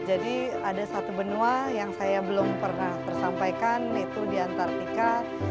jadi ada satu benua yang saya belum pernah tersampaikan yaitu di antarctica